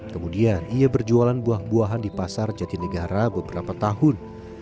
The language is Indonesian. kemudian ia berjualan buah buahan di pasar jatinegara beberapa tahun